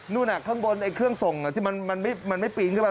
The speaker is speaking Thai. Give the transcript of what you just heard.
ข้างบนไอ้เครื่องส่งที่มันไม่ปีนขึ้นไป